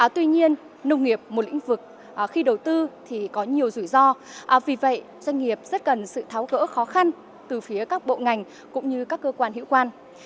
tuy nhiên nông nghiệp một lĩnh vực khi đầu tư thì có nhiều rủi ro vì vậy doanh nghiệp rất cần sự tháo gỡ khó khăn từ phía các bộ ngành cũng như các cơ quan hữu quan